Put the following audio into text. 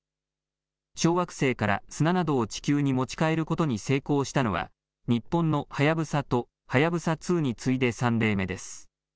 小惑星から砂などを地球に持ち帰ることに成功したのは日本のはやぶさとはやぶさ２に次いで３例目です。